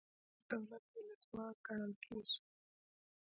زموږ دولت ولسواک ګڼل کیږي.